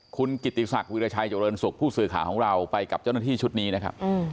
คุณกิติศักดิราชัยเจริญสุขผู้สื่อข่าวของเราไปกับเจ้าหน้าที่ชุดนี้นะครับ